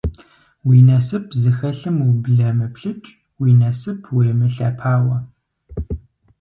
Уи насып зыхэлъым ублэмыплъыкӏ, уи насып уемылъэпауэ.